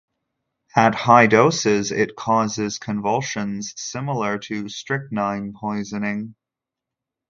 At high doses, it causes convulsions similar to strychnine poisoning.